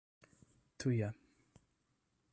tuja